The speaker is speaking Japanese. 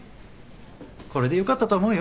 これでよかったと思うよ。